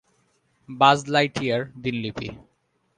বায Lightyear দিনলিপি।